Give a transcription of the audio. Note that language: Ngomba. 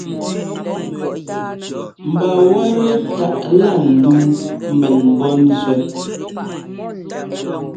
Mba wɛ́tɛ́ taʼ lá ndúu mbɛn mbɔ́ nzúɛ́.